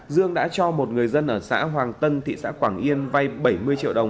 dương đã cho một người dân ở xã hoàng tân thị xã quảng yên vay bảy mươi triệu đồng